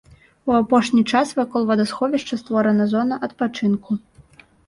У апошні час вакол вадасховішча створана зона адпачынку.